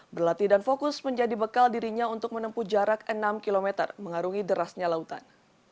berlatih dan fokus menjadi bekal dirinya untuk menempuh jarak enam km mengarungi derasnya lautan